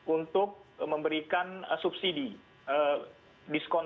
untuk memberikan subsidi diskon tiket hotel maupun restoran